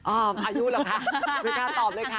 อ่าอายุหรอกคะถึงถ้าตอบเลยค่ะ